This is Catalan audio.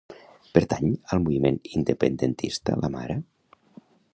Pertany al moviment independentista la Mara?